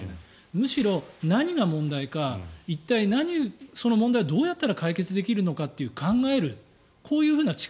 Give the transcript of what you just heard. むしろ、何が問題かその問題をどうやったら解決できるか考える、こういう力。